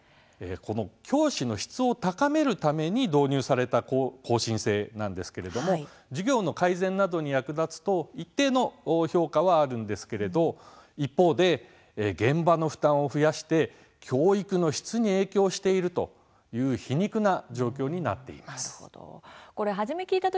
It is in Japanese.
教師の質を高めるために導入された更新制なんですけれども授業の改善などに役立つと一定の評価はありますが、一方で現場の負担を増やして教育の質に影響しているという皮肉な状況になっています。